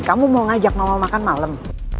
kamu mau ngajak mama makan malam